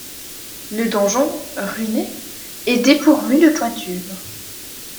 Le donjon, ruiné, est dépourvu de toiture.